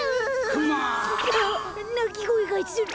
・クマッ！あっなきごえがする！